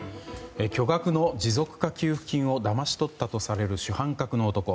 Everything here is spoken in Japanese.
巨額の持続化給付金をだまし取ったとされる主犯格の男。